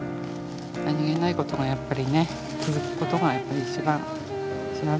何気ないことがやっぱりね続くことがやっぱり一番幸せだと思うので。